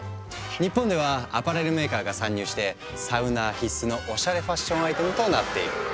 日本ではアパレルメーカーが参入してサウナー必須のおしゃれファッションアイテムとなっている。